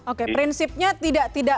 oke prinsipnya tidak tidak